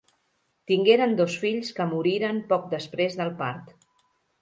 Tingueren dos fills que moriren poc després del part.